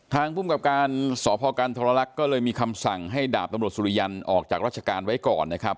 ภูมิกับการสพกันทรลักษณ์ก็เลยมีคำสั่งให้ดาบตำรวจสุริยันออกจากราชการไว้ก่อนนะครับ